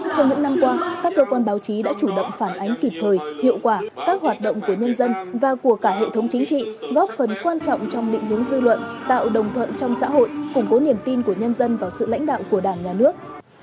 trong những năm qua các cơ quan báo chí đã chủ động phản ánh kịp thời hiệu quả các hoạt động của nhân dân và của cả hệ thống chính trị góp phần quan trọng trong định hướng dư luận tạo đồng thuận trong xã hội củng cố niềm tin của nhân dân vào sự lãnh đạo của đảng nhà nước